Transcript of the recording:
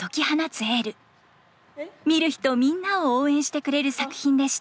見る人みんなを応援してくれる作品でした。